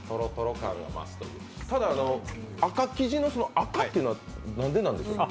ただ、赤生地の赤というのは何でなんですか？